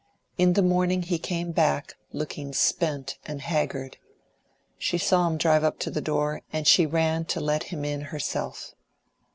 In the morning he came back, looking spent and haggard. She saw him drive up to the door, and she ran to let him in herself.